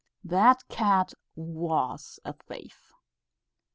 That cat was a thief.